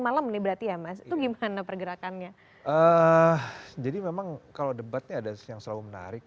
malam nih berarti ya mas itu gimana pergerakannya jadi memang kalau debatnya ada yang selalu menarik